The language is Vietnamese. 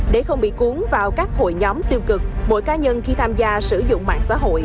để không bị cuốn vào các hội nhóm tiêu cực mỗi ca nhân khi tham gia sử dụng mạng xã hội